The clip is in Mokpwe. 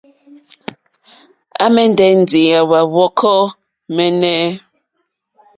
À mɛ̀ndɛ́ ndí áwà hwɔ́kɔ́ !mɛ́ɛ́nɛ́.